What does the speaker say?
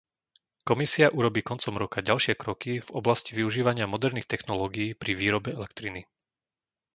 Komisia urobí koncom roka ďalšie kroky v oblasti využívania moderných technológií pri výrobe elektriny.